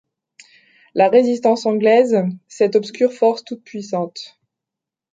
La résistance anglaise, cette obscure force toute-puissante